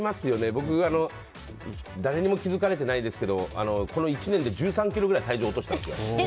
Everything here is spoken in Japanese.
僕は誰にも気づかれてないですけどこの１年で１３ｋｇくらい体重落としたんですよ。